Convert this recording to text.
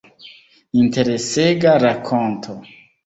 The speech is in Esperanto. Interesega rakonto.